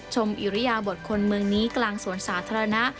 อิริยาบทคนเมืองนี้กลางสวนสาธารณะ